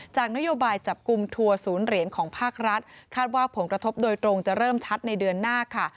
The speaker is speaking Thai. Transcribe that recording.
นโยบายจับกลุ่มทัวร์ศูนย์เหรียญของภาครัฐคาดว่าผลกระทบโดยตรงจะเริ่มชัดในเดือนหน้าค่ะ